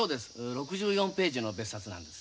６４ページの別冊なんです。